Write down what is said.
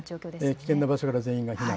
危険な場所から全員が避難。